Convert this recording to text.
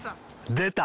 出た！